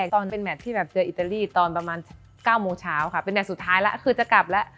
ตอนเป็นแมทที่แบบเจออิตาลีตอนประมาณ๙โมงเช้าค่ะเป็นแมทสุดท้ายแล้วคือจะกลับแล้ว